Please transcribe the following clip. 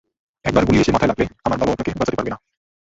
একবার গুলি এসে মাথায় লাগলে, আমার বাবাও আপনাকে বাঁচাতে পারবে না।